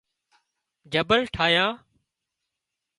جبل ٺاهيان